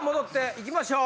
行きましょう。